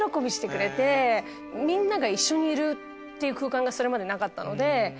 みんなが一緒にいる空間がそれまでなかったので。